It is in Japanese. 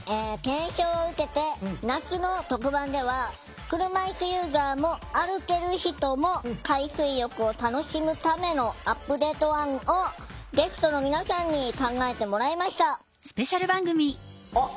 検証を受けて夏の特番では車いすユーザーも歩ける人も海水浴を楽しむためのアップデート案をゲストの皆さんに考えてもらいました。